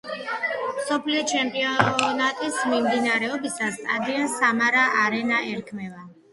მსოფლიო ჩემპიონატის მიმდინარეობისას სტადიონს სამარა არენა ერქმევა.